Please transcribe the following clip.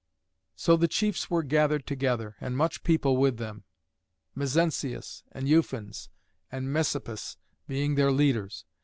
So the chiefs were gathered together, and much people with them, Mezentius, and Ufens, and Messapus being their leaders.